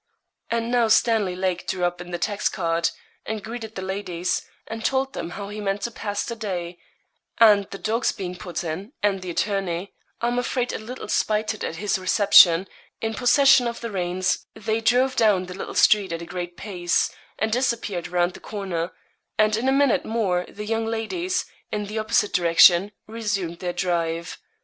And now Stanley Lake drew up in the tax cart, and greeted the ladies, and told them how he meant to pass the day; and the dogs being put in, and the attorney, I'm afraid a little spited at his reception, in possession of the reins, they drove down the little street at a great pace, and disappeared round the corner; and in a minute more the young ladies, in the opposite direction, resumed their drive.